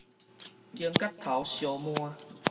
肩胛頭相幔